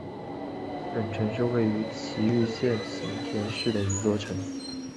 忍城是位在崎玉县行田市的一座城。